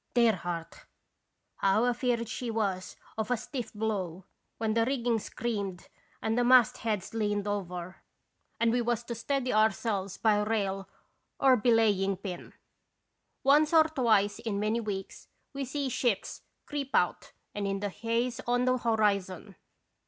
Dear heart ! how afeard she was of a stiff blow, when the rig ging screamed and the mast heads leaned over, 21 radons Visitation. 173 and we has to steady ourselves by rail or be laying pin. Once or twice in many weeks we see ships creep out and in the haze on the horizon.